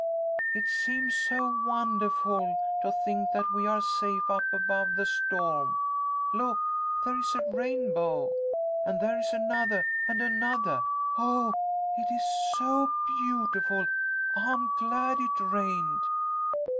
"It seems so wondahful to think that we are safe up above the storm. Look! There is a rainbow! And there is anothah and anothah! Oh, it is so beautiful, I'm glad it rained!"